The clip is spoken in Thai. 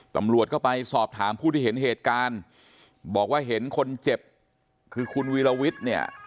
ตำรวจก็ไปสอบถามผู้ที่เห็นเหตุการณ์บอกว่าเห็นคนเจ็บคือคุณวีรวิทย์เนี่ย